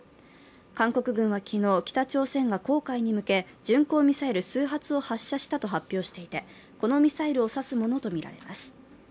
韓国軍は昨日、北朝鮮が黄海に向け巡航ミサイル数発を発射したと発表していてこのミサイルを指すものとみられます。